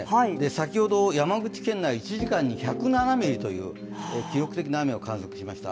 先ほど、山口県内、１時間に１０７ミリという記録的な雨を観測しました。